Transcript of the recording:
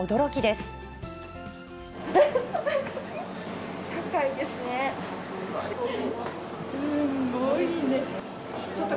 すごいね。